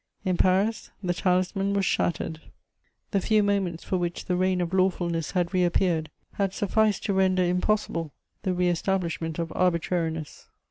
In Paris, the talisman was shattered. The few moments for which the reign of lawfulness had reappeared had sufficed to render impossible the re establishment of arbitrariness.